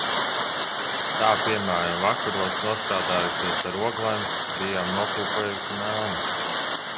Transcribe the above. Tā piemēram vakaros nostrādājušies ar oglēm, bijām nokūpējuši melni.